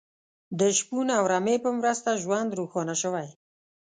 د شپون او رمې په مرسته ژوند روښانه شوی.